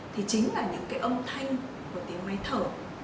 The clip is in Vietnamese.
thì chính là những cái âm thanh của tiếng máy thở